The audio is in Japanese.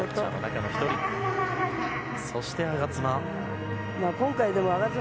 そして、我妻。